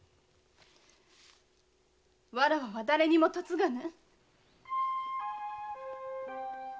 わらわは誰にも嫁がぬ。